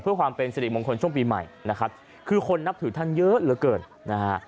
เพื่อความเป็นสิริมงคลช่วงปีใหม่นะครับคือคนนับถือท่านเยอะเหลือเกินนะฮะ